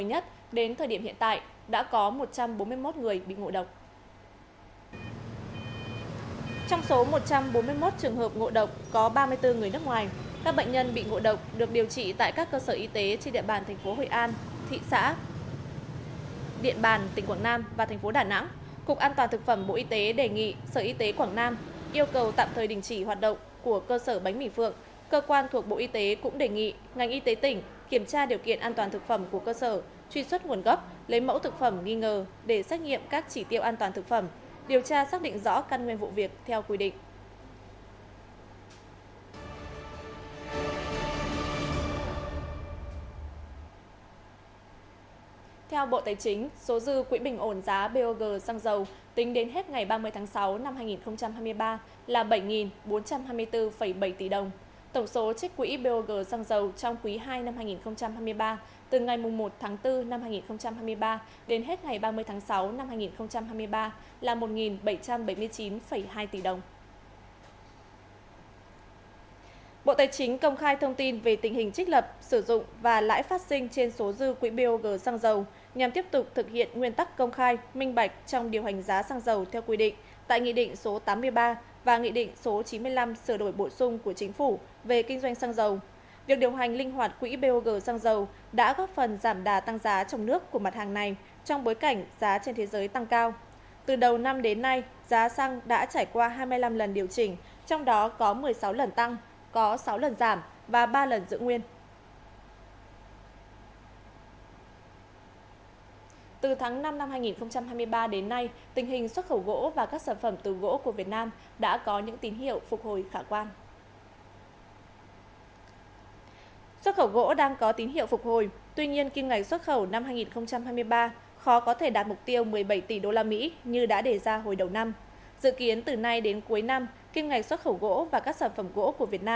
cụ thể hồi năm h bốn mươi năm phút ngày một mươi ba tháng chín năm hai nghìn hai mươi ba tại tổ dân phố đội cấn thị trấn vĩnh tưởng phòng cảnh sát quản lý hành chính về trật tự xã hội công an huyện vĩnh tưởng kiểm tra phát hiện nguyễn văn hách chú huyện vĩnh tưởng kiểm tra phát hiện nguyễn văn hách chú huyện vĩnh tưởng kiểm tra phát hiện nguyễn văn hách